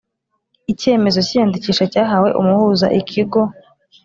icyemezo cy iyandikisha cyahawe umuhuza Ikigo